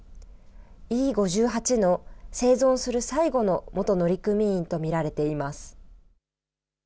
い５８の生存する最後の元乗組員と見られています。